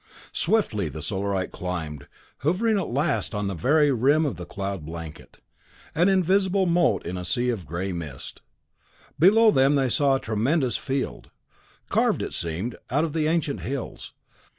Swiftly the Solarite climbed, hovering at last on the very rim of the cloud blanket, an invisible mote in a sea of gray mist. Below them they saw a tremendous field carved, it seemed, out of the ancient hills.